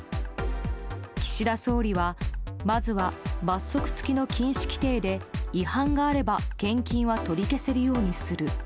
岸田総理はまずは罰則付きの禁止規定で違反があれば献金は取り消せるようにする。